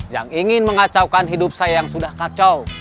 yang ingin mengacaukan hidup saya yang sudah kacau